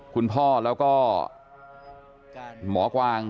คุณพ่อแล้วก็หมอกวาง